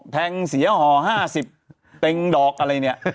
แทงเสียห่อ๕๐เต็งดอกอะไรเนี่ย